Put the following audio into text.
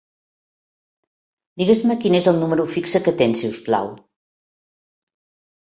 Digues-me quin és el número fixe que tens, si us plau.